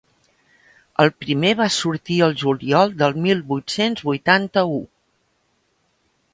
El primer va sortir al juliol del mil vuit-cents vuitanta-u.